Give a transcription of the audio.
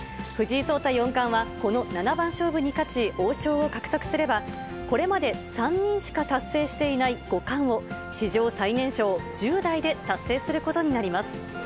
藤井聡太四冠は、この７番勝負に勝ち、王将を獲得すれば、これまで３人しか達成していない五冠を、史上最年少、１０代で達成することになります。